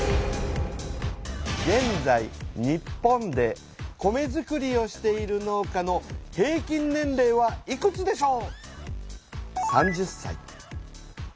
げんざい日本で米づくりをしている農家の平均年齢はいくつでしょう？